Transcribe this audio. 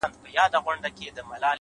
بيا يوازيتوب دی بيا هغه راغلې نه ده ـ